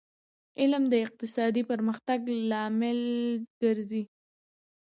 علم د اقتصادي پرمختګ لامل ګرځي